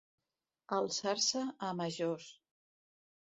Alçar-se a majors.